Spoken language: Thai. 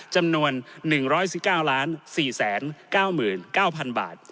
จำนวน๑๐๙ล้าน๔๙๙๐๐๐บาท